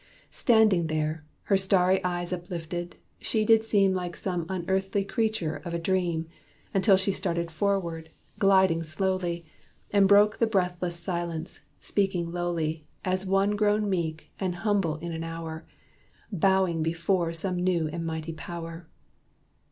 Standing there, Her starry eyes uplifted, she did seem Like some unearthly creature of a dream; Until she started forward, gliding slowly, And broke the breathless silence, speaking lowly, As one grown meek, and humble in an hour, Bowing before some new and mighty power.